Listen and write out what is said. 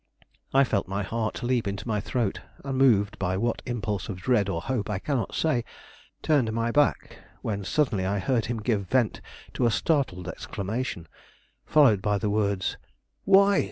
I felt my heart leap into my throat, and, moved by what impulse of dread or hope I cannot say, turned my back, when suddenly I heard him give vent to a startled exclamation, followed by the words: "Why!